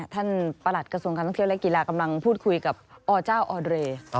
ประหลัดกระทรวงการท่องเที่ยวและกีฬากำลังพูดคุยกับอเจ้าออเดย์